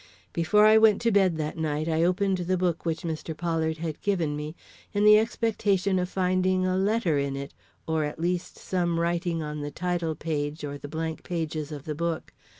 Before I went to bed that night I opened the book which Mr. Pollard had given me, in the expectation of finding a letter in it, or, at least, some writing on the title page or the blank pages of the book.